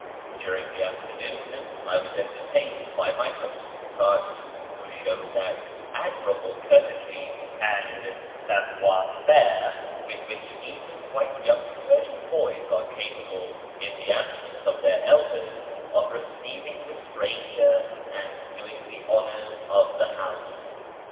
During the afternoon I was entertained by my host's son, who showed that admirable courtesy and savoir faire with which even quite young Persian boys are capable, in the absence of their elders, of receiving the stranger and doing the honours of the house.